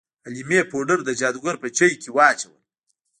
حلیمې پوډر د جادوګر په چای کې واچول.